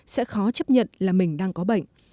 sẽ khó chấp nhận là mình đang có bệnh